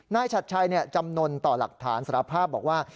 ฉัดชัยจำนวนต่อหลักฐานสารภาพบอกว่า